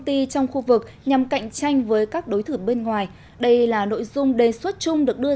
ty trong khu vực nhằm cạnh tranh với các đối thủ bên ngoài đây là nội dung đề xuất chung được đưa